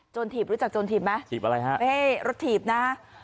โจรถีบรู้จักโจรถีบมั้ยถีบอะไรฮะเฮ้ยรถถีบนะ